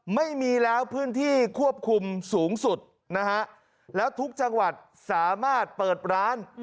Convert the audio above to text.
ไม่มีแล้วพื้นที่ควบคุมสูงสุดนะฮะแล้วทุกจังหวัดสามารถเปิดร้าน